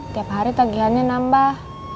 tiap hari tagihannya nambah